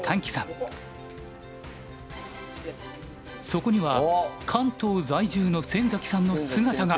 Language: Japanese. そこには関東在住の先崎さんの姿が。